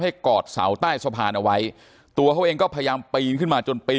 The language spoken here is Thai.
กอดเสาใต้สะพานเอาไว้ตัวเขาเองก็พยายามปีนขึ้นมาจนปีน